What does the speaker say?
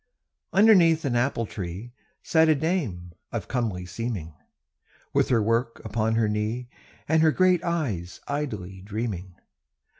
Underneath an apple tree Sat a dame of comely seeming, With her work upon her knee, And her great eyes idly dreaming.